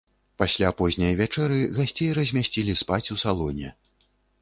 Пасля позняй вячэры гасцей размясцілі спаць у салоне.